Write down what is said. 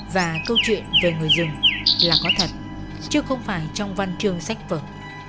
và câu chuyện về người rừng là có thật chứ không phải trong văn chương sách vật